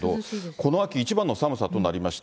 この秋一番の寒さとなりました。